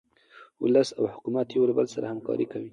ولس او حکومت یو له بل سره همکاري کوي.